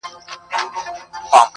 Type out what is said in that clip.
راکوه سونډي خو دومره زیاتي هم نه،